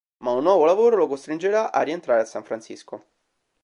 Ma un nuovo lavoro lo costringerà a rientrare a San Francisco.